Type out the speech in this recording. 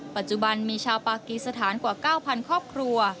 ปัจจุบันมีชาวปากีสถานกว่า๙๐๐ครอบครัว